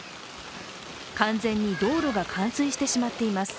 完全に道路が冠水してしまっています。